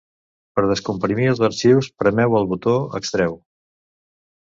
Per descomprimir els arxius premeu el botó "extreu".